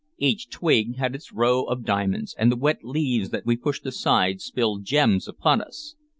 Each twig had its row of diamonds, and the wet leaves that we pushed aside spilled gems upon us.